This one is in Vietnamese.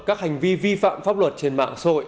các hành vi vi phạm pháp luật trên mạng xã hội